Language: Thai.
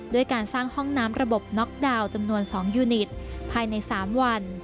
ด้วยการสร้างห้องน้ำระบบน็อกดาวน์จำนวน๒ยูนิตภายใน๓วัน